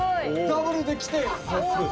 ダブルで来てる！